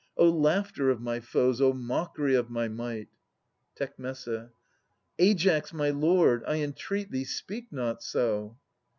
O laughter of my foes ! O mockery of my might. Tec. Aias, my lord ! I entreat thee, speak not so